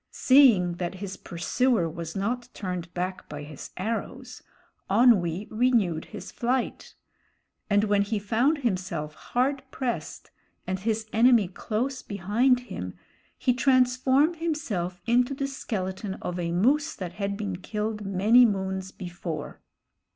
Seeing that his pursuer was not turned back by his arrows, Onwee renewed his flight; and when he found himself hard pressed and his enemy close behind him, he transformed himself into the skeleton of a moose that had been killed many moons before.